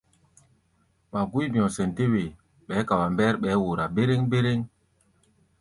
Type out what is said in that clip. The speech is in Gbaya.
Wa gúí bi̧ɔ̧ sɛn tɛ́ wee, bɛɛ́ ka wa mbɛ́r bɛɛ́ wora béréŋ-béréŋ.